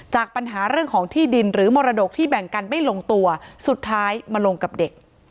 จากปัญหาเรื่องของที่ดินหรือมรดกที่แบ่งกันไม่ลงตัวสุดท้ายมาลงกับเด็ก